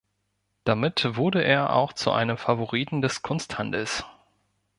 Damit wurde er auch zu einem Favoriten des Kunsthandels.